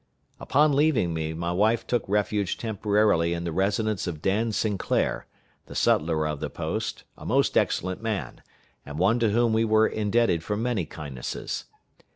Upon leaving me, my wife took refuge temporarily in the residence of Dan Sinclair, the sutler of the post, a most excellent man, and one to whom we were indebted for many kindnesses.